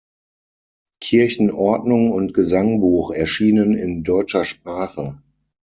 Kirchenordnung und Gesangbuch erschienen in deutscher Sprache.